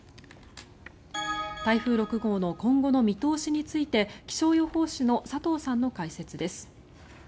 台風６号の今後の見通しについて気象予報士の佐藤さんの解説です。